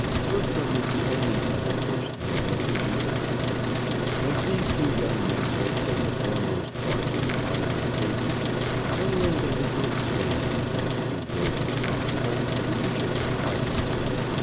Bertram was the only double first man of his year. As these two young men will play the foremost parts in the following pages, I will endeavour to explain, in as few words as possible, who each of them was.